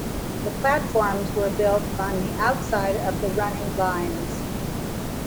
The platforms were built on the outside of the running lines.